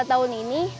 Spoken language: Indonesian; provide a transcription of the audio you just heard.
puasa tahun ini